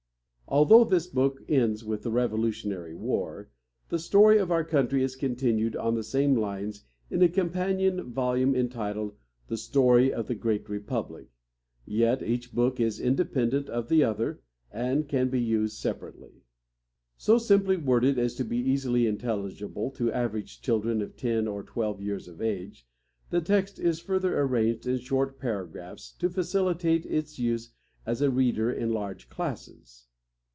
Although this book ends with the Revolutionary War, the story of our country is continued on the same lines in a companion volume entitled "The Story of the Great Republic;" yet each book is independent of the other and can be used separately. So simply worded as to be easily intelligible to average children of ten or twelve years of age, the text is further arranged in short paragraphs, to facilitate its use as a reader in large classes.